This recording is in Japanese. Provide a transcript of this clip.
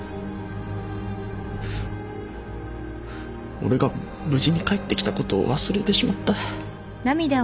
俺が無事に帰ってきたことを忘れてしまった。